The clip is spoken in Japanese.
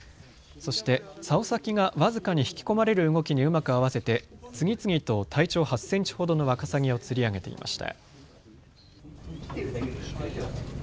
そして、さお先が僅かに引き込まれる動きにうまく合わせて次々と体長８センチほどのワカサギを釣り上げていました。